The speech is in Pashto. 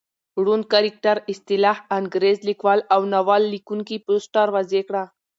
رونډ کرکټراصطلاح انکرېرلیکوال اوناول لیکوونکي فوسټر واضع کړه.